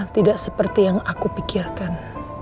tidak seperti yang aku pikirkan